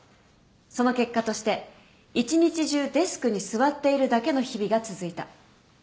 その結果として一日中デスクに座っているだけの日々が続いた。